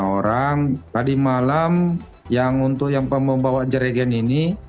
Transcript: lima orang tadi malam yang untuk yang membawa jeregen ini